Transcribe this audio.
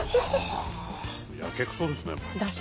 やけくそですね。